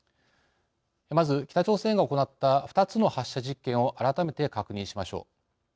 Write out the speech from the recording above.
まず、北朝鮮が行った２つの発射実験を改めて確認しましょう。